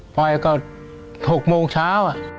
ไปก็๖โมงเช้า